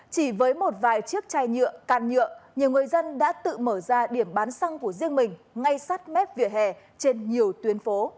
chỉ với một vài chiếc chai nhựa can nhựa nhiều người dân đã tự mở ra điểm bán xăng của riêng mình ngay sát mép vỉa hè trên nhiều tuyến phố